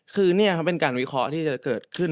คือนี่เขาเป็นการวิเคราะห์ที่จะเกิดขึ้น